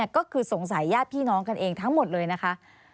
ก็คือสงสัยญาติพี่น้องกันเองทั้งหมดเลยนะคะ